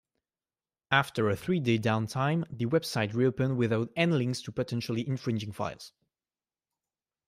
After a three-day downtime, the website reopened without any links to potentially infringing files.